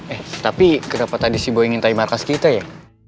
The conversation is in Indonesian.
eh tapi kenapa tadi si boy ngintai markas kita ya